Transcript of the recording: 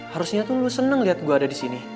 harusnya tuh lu seneng lihat gue ada di sini